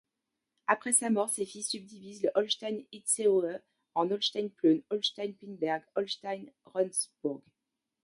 Après sa mort ses fils subdivisent le Holstein-itzehoe en Holstein-Plön, Holstein-Pinneberg et Holstein-Rendsburg.